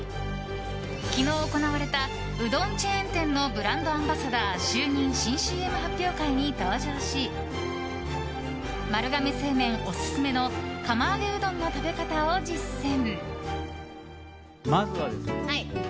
昨日行われたうどんチェーン店のブランドアンバサダー就任・新ＣＭ発表会に登場し丸亀製麺オススメの釜揚げうどんの食べ方を実践。